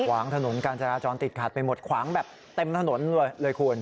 ขวางถนนการจราจรติดขัดไปหมดขวางแบบเต็มถนนเลยเลยคุณ